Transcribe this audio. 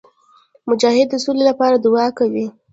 مجاهد د سولي لپاره دعا کوي.